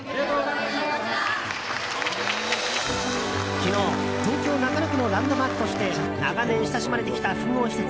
昨日、東京・中野区のランドマークとして長年、親しまれてきた複合施設